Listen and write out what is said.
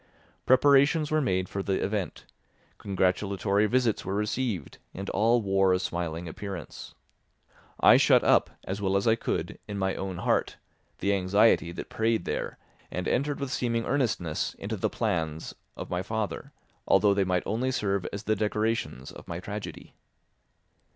Preparations were made for the event, congratulatory visits were received, and all wore a smiling appearance. I shut up, as well as I could, in my own heart the anxiety that preyed there and entered with seeming earnestness into the plans of my father, although they might only serve as the decorations of my tragedy.